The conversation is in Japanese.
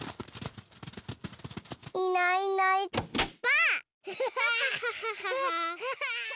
いないいないばあっ！